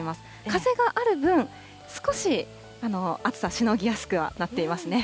風がある分、少し暑さしのぎやすくはなっていますね。